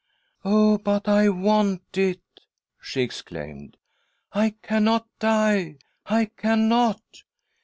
" Oh, but I want it !" she exclaimed. " I cannot die, I cannot.